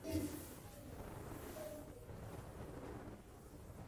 তিনি যৌথভাবে সফলতা লাভ করতে পেরেছেন।